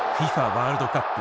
ワールドカップ